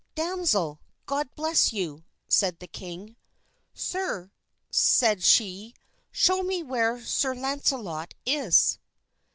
"Damsel, God bless you," said the king. "Sir," said she, "show me where Sir Launcelot is."